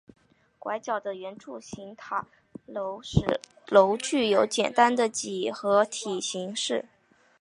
拐角的圆柱形塔楼使该楼具有简单的几何体形式。